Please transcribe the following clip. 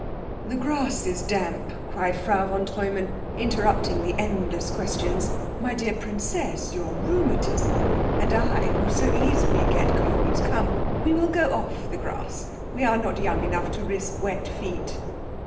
"The grass is damp," cried Frau von Treumann, interrupting the endless questions. "My dear princess your rheumatism and I who so easily get colds. Come, we will go off the grass we are not young enough to risk wet feet."